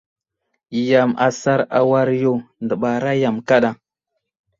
Yam asar a war yo, dəɓara yam kaɗa.